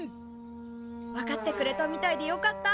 分かってくれたみたいでよかった。